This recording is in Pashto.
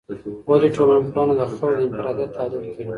ولي ټولنپوهنه د خلګو د انفرادیت تحلیل کوي؟